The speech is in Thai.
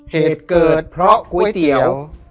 เหตุเกิดเพราะก๋วยเตี๋ยว